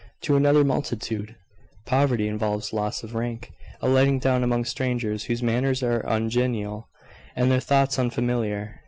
To another multitude, poverty involves loss of rank, a letting down among strangers whose manners are ungenial, and their thoughts unfamiliar.